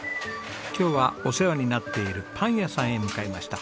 今日はお世話になっているパン屋さんへ向かいました。